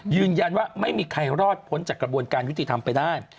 ยืนยันว่าไม่มีใครรอดพ้นจากกระบวนการยุติธรรมไปได้